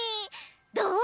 どう？